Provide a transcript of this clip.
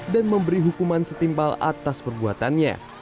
dan memberi hukuman setimpal atas perbuatannya